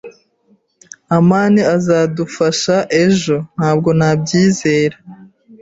"amani azadufasha ejo." "Ntabwo nabyizera."